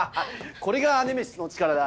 これがネメシスの力だ